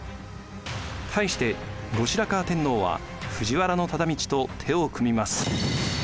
対して後白河天皇は藤原忠通と手を組みます。